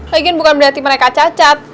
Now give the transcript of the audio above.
pengen bukan berarti mereka cacat